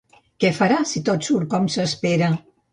Què farà si tot surt com s'espera?